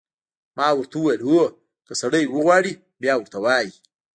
ما ورته وویل: هو، که سړی وغواړي، بیا ورته وایي.